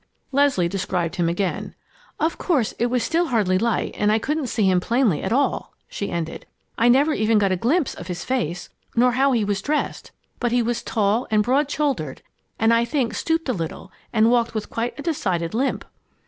Leslie described him again. "Of course, it was still hardly light and I couldn't see him plainly at all," she ended. "I never even got a glimpse of his face, nor how he was dressed. But he was tall and broad shouldered, and I think stooped a little and walked with quite a decided limp."